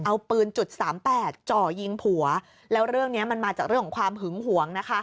เอาปืนจุดสามแปดจ่อยิงผัวแล้วเรื่องนี้มันมาจากเรื่องของความหึงหวงนะคะ